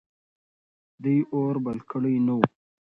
دوی اور بل کړی نه و.